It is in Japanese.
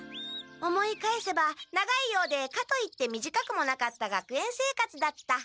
思い返せば長いようでかといって短くもなかった学園生活だった。